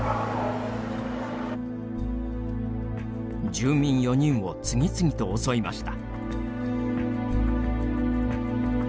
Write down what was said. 住民４人を次々と襲いました。